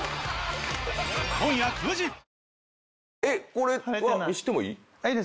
これは見してもいい？